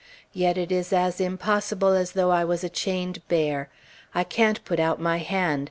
Yet it is as impossible as though I was a chained bear. I can't put out my hand.